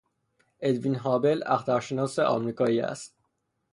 ادوین هابل اخترشناس آمریکایی است.